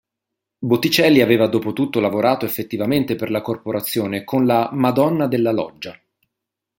Botticelli aveva dopotutto lavorato effettivamente per la corporazione con la "Madonna della loggia".